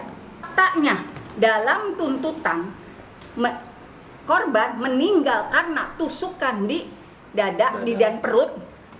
katanya dalam tuntutan korban meninggal karena tusukan di dada di dan perut